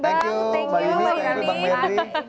thank you mbak yuni dan bang merdi